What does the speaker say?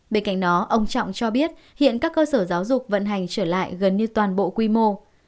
bên cạnh đó ông trọng cho biết hiện các cơ sở giáo dục vận hành trở lại gần như toàn bộ quy mô